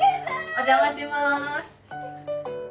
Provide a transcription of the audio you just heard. お邪魔します。